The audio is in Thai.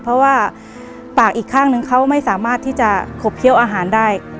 เพราะว่าปากอีกข้างนึงเขาไม่สามารถที่จะขบเคี้ยวอาหารได้